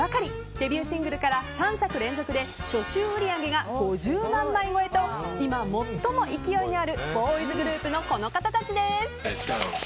デビューシングルから３作連続で初週売り上げが５０万枚超えと今、最も勢いのあるボーイズグループのこの方たちです。